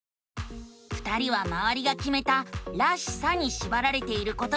２人はまわりがきめた「らしさ」にしばられていることに気づくのさ！